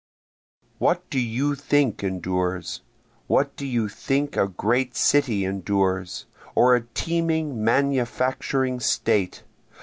What do you think endures? Do you think a great city endures? Or a teeming manufacturing state?